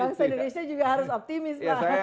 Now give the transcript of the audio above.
bangsa indonesia juga harus optimis